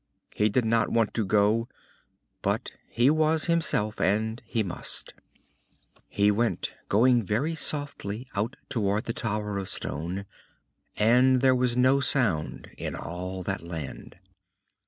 He did not want to go, but he was himself, and he must. He went, going very softly, out toward the tower of stone. And there was no sound in all that land.